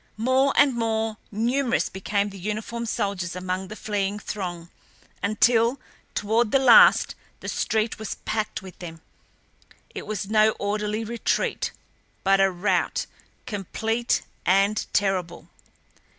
More and more numerous became the uniformed soldiers among the fleeing throng, until, toward the last, the street was packed with them. It was no orderly retreat, but a rout, complete and terrible.